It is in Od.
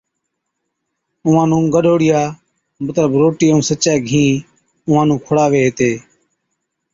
اُونھان نُون گڏھوڙِيا مطلب روٽِي ائُون سچي گھِين اُونھان نُون کُڙاوي ھِتي